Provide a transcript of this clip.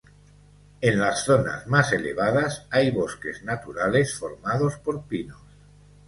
En las zonas más elevadas hay bosques naturales formados por pinos.